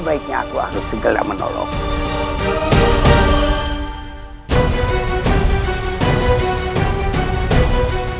sebaiknya aku harus segera menolongmu